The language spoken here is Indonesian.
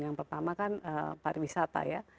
yang pertama kan pariwisata ya